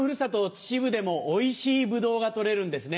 秩父でもおいしいブドウが取れるんですね。